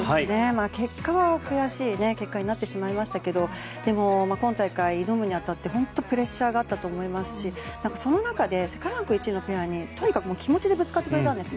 結果は悔しい結果になってしまいましたけどでも、今大会挑むに当たって本当にプレッシャーがあったと思いますしその中で世界ランク１位のペアにとにかく気持ちでぶつかってくれたんです。